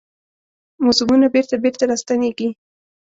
موسمونه بیرته، بیرته راستنیږي